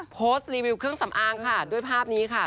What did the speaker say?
โพสต์รีวิวเครื่องสำอางค่ะด้วยภาพนี้ค่ะ